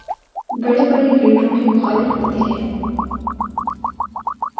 بڑے بڑے لیڈروں کے مخالف ہوتے ہیں۔